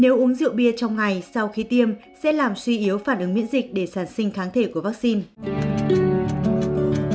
nếu uống rượu bia trong ngày sau khi tiêm sẽ làm suy yếu phản ứng miễn dịch để sản sinh kháng thể của vaccine